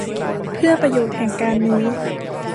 เพื่อประโยชน์แห่งการนี้